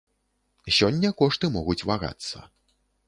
Сёння кошты могуць вагацца.